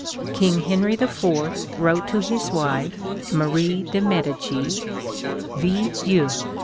King Henry IV. wrote to his wife, Marie de Medicis :" Vive Dieu.